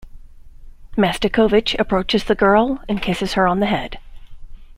Mastakovich approaches the girl and kisses her on the head.